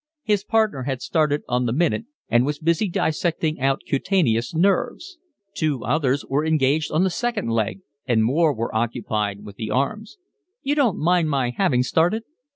His partner had started on the minute and was busy dissecting out cutaneous nerves. Two others were engaged on the second leg, and more were occupied with the arms. "You don't mind my having started?"